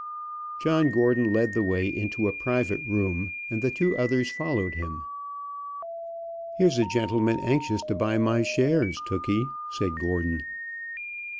John Gordon led the way into a private room, and the two others followed him. "Here's a gentleman anxious to buy my shares, Tookey," said Gordon.